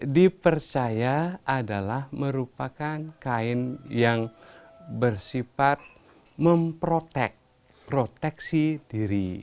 dipercaya adalah merupakan kain yang bersifat memprotek proteksi diri